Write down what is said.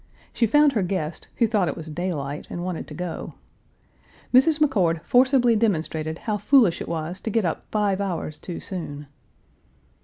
She found her guest, who thought it was daylight, and wanted to go. Mrs. McCord forcibly demonstrated how foolish it was to get up five hours too soon.